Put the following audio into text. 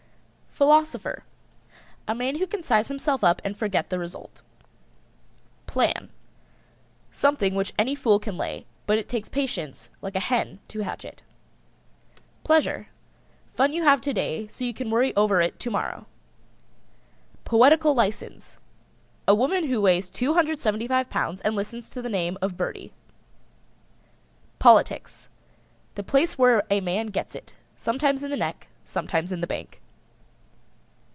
PHILOSOPHER. A man who can size himself up and forget the result. PLAN. Something which any fool can lay, but it takes patience like a hen to hatch it. PLEASURE. Fun you have to day so you can worry over it to morrow. POETICAL LICENSE. A woman who weighs 275 pounds and listens to the name of Birdie. POLITICS. The place where a man gets it sometimes in the neck, sometimes in the bank.